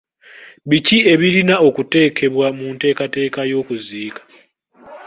Biki ebirina okuteekebwa mu nteekateeka y'okuziika?